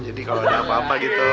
jadi kalo ada apa apa gitu